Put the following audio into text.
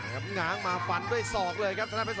เกมเดือนแล้วครับ